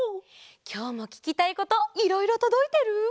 きょうもききたいこといろいろとどいてる？